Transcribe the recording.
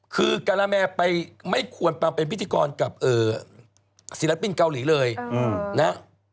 คือการาแมไปไม่ควรมาเป็นพิธีกรกับศิลปินเกาหลีเลยนะ